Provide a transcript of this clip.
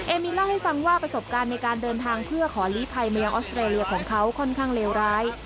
มินเล่าให้ฟังว่าประสบการณ์ในการเดินทางเพื่อขอลีภัยมายังออสเตรเลียของเขาค่อนข้างเลวร้าย